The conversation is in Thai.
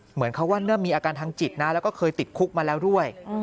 เหมือนเขาว่าเริ่มมีอาการทางจิตนะแล้วก็เคยติดคุกมาแล้วด้วย